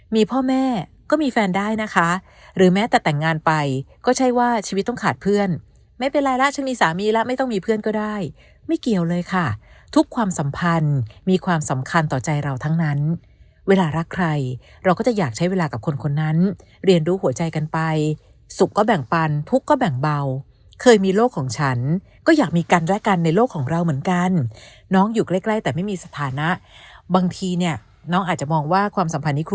ไม่เป็นไรละชั้นนี้สามีละไม่ต้องมีเพื่อนก็ได้ไม่เกี่ยวเลยค่ะทุกความสัมพันธ์มีความสำคัญต่อใจเราทั้งนั้นเวลารักใครเราก็จะอยากใช้เวลากับคนนั้นเรียนดูหัวใจกันไปสุขก็แบ่งปันทุกข์ก็แบ่งเบาเคยมีโลกของฉันก็อยากมีกันและกันในโลกของเราเหมือนกันน้องอยู่ใกล้แต่ไม่มีสถานะบางทีเนี่ยน้องอา